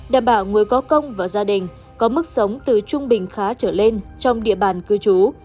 đảm bảo người có công và gia đình có mức sống từ trung bình khá trở lên trong địa bàn cư trú